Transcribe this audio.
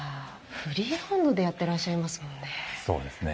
フリーハンドでやってらっしゃいますもんね。